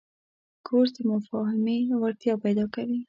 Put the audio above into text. کورس د مفاهمې وړتیا پیدا کوي.